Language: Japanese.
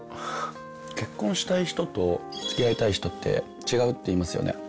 結婚したい人と付き合いたい人って違うっていいますよね。